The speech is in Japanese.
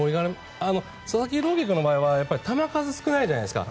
佐々木朗希君の場合は球数が少ないじゃないですか。